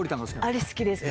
あれ好きです。